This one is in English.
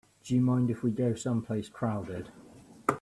Do you mind if we go someplace crowded?